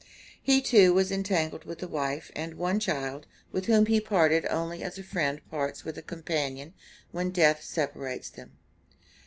He too was entangled with a wife and one child, with whom he parted only as a friend parts with a companion when death separates them.